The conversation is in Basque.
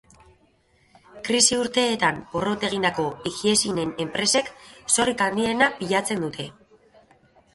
Krisi urteetan porrot egindako higiezinen enpresek zorrik handiena pilatzen dute.